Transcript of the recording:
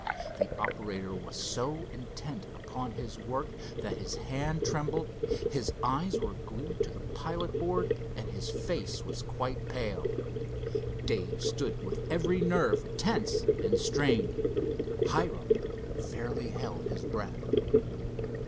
The operator was so intent upon his work that his hand trembled, his eyes were glued to the pilot board, and his face was quite pale. Dave stood with every nerve tense and strained. Hiram fairly held his breath.